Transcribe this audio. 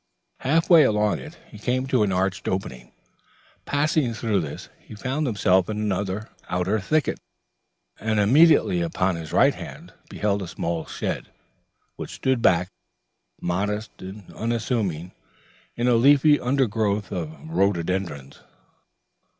Half way along it he came upon an arched opening. Passing through this, he found himself in an outer thicket, and immediately upon his right hand beheld a small shed, which stood back, modest and unassuming, in a leafy undergrowth of rhododendrons.